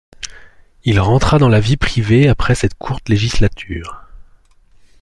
Il rentra dans la vie privée après cette courte législature.